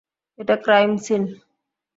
এটা crime scene.